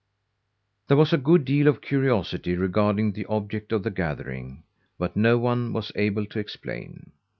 There was a good deal of curiosity regarding the object of the gathering, but no one was able to explain.